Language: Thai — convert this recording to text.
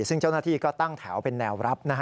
พระบุว่าจะมารับคนให้เดินทางเข้าไปในวัดพระธรรมกาลนะคะ